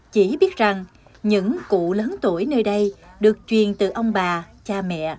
chỉ biết rằng những cụ lớn tuổi nơi đây được truyền từ ông bà cha mẹ